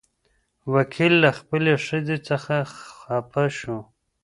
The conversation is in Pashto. وکيل له خپلې ښځې څخه خپه شو.